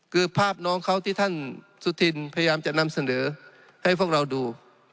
คือภาพน้องเขาที่ท่านสุธินพยายามจะนำเสนอให้พวกเราดู